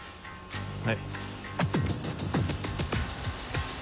はい。